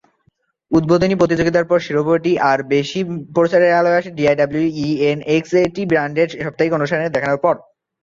উদ্বোধনী প্রতিযোগিতার পর, শিরোপাটি আর বেশি প্রচারের আলোয় আসে ডাব্লিউডাব্লিউই-এর এনএক্সটি ব্র্যান্ডের সাপ্তাহিক অনুষ্ঠানে দেখানোর পর।